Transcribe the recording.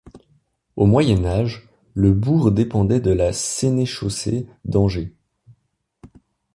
Au Moyen Âge, le bourg dépendait de la sénéchaussée d'Angers.